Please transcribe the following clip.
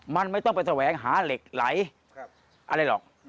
มันไม่ต้องไปแสวงหาเหล็กไหลอะไรหรอก